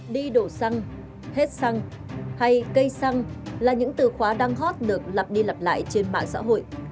đi đổ xăng hết xăng hay cây xăng là những từ khóa đang hót được lặp đi lặp lại trên mạng xã hội